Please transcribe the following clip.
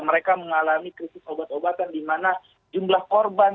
mereka mengalami krisis obat obatan di mana jumlah korban